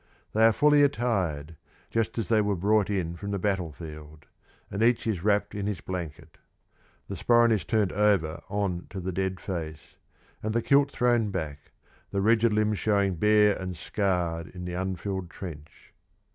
They are fully attired, just as they were brought in from the battlefield, and each is wrapped in his blanket. The sporan is turned over on to the dead face, and the kilt thrown back, the rigid limbs showing bare and scarred in the unfilled trench.